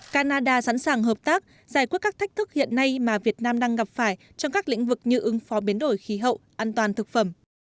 canada sẵn sàng hợp tác giải quyết các thách thức hiện nay mà việt nam đang gặp phải trong các lĩnh vực như ứng phó biến đổi khí hậu an toàn thực phẩm